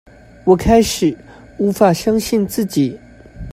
我開始無法相信自己